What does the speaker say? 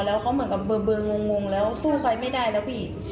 แล้วเขาเหมือนกับเบอร์งงแล้วสู้ใครไม่ได้แล้วพี่